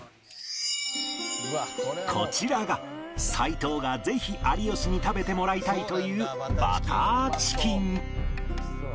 こちらが齋藤がぜひ有吉に食べてもらいたいというバターチキン